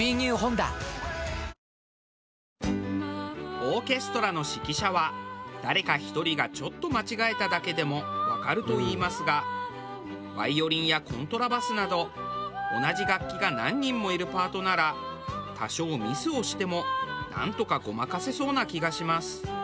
オーケストラの指揮者は誰か１人がちょっと間違えただけでもわかるといいますがバイオリンやコントラバスなど同じ楽器が何人もいるパートなら多少ミスをしてもなんとかごまかせそうな気がします。